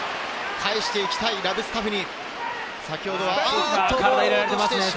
返していきたいラブスカフニ。